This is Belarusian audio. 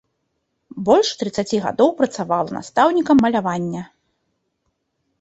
Больш трыццаці гадоў працавала настаўнікам малявання.